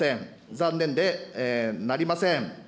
残念でなりません。